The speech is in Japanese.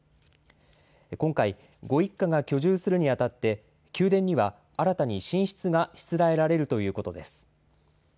今回、ご一家が居住するにあたって、宮殿には新たに寝室がしつらえられるということです。